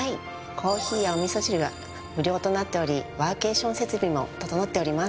コーヒーやおみそ汁は無料となっておりワーケーション設備も整っております。